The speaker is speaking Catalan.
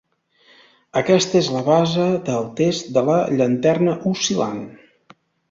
Aquesta és la base del "test de la llanterna oscil·lant".